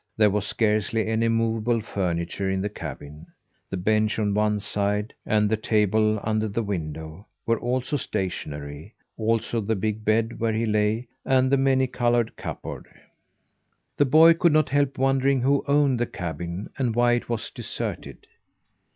There was scarcely any movable furniture in the cabin. The bench on one side, and the table under the window, were also stationary also the big bed where he lay, and the many coloured cupboard. The boy could not help wondering who owned the cabin, and why it was deserted.